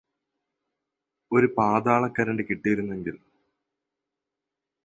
ഒരു പാതാളക്കരണ്ടി കിട്ടിയിരുന്നെങ്കിൽ.